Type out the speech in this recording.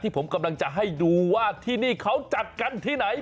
ผมกำลังจะให้ดูว่าที่นี่เขาจัดกันที่ไหน